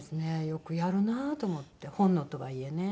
よくやるなと思って本能とはいえね。